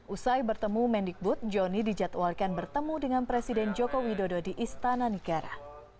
usai bertemu mendikbud johnny dijadwalkan bertemu dengan presiden joko widodo di istana negara